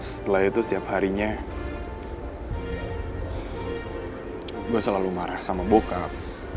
setelah itu setiap harinya gue selalu marah sama bokap